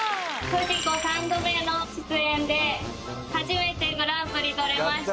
フジコ３度目の出演で初めてグランプリとれました